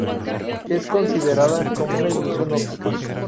Es considerada como una ilusión óptica.